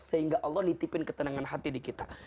sehingga allah nitipin ketenangan hati di kita